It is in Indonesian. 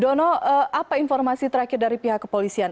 dono apa informasi terakhir dari pihak kepolisian